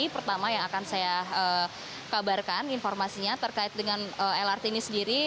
pertama yang akan saya kabarkan informasinya terkait dengan lrt ini sendiri